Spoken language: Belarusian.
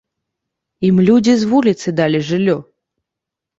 Ім людзі з вуліцы далі жыллё.